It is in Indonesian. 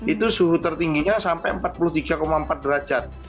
itu suhu tertingginya sampai empat puluh tiga empat derajat